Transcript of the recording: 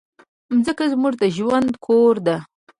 مځکه زموږ د ژوند کور ده.